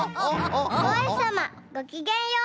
おうひさまごきげんよう！